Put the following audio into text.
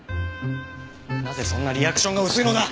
なぜそんなリアクションが薄いのだ！？